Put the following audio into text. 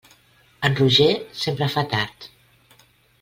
En Roger sempre fa tard.